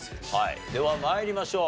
では参りましょう。